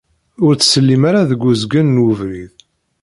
Ur ttsellim ara deg uzgen n webrid.